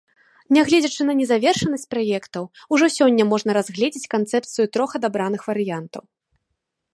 Нягледзячы на незавершанасць праектаў, ужо сёння можна разгледзець канцэпцыю трох адабраных варыянтаў.